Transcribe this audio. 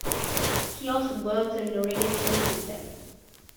He also built an irrigation system.